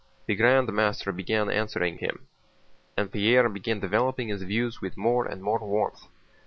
The Grand Master began answering him, and Pierre began developing his views with more and more warmth.